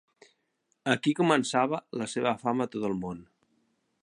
Aquí començava la seva fama a tot el món.